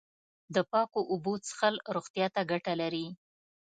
د پاکو اوبو څښل روغتیا ته گټه لري.